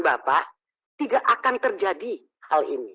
bapak tidak akan terjadi hal ini